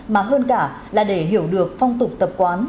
mà hơn cả là để hiểu được phong tục tập quán